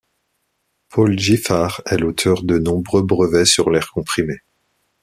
Paul Giffard est l'auteur de nombreux brevets sur l'air comprimé.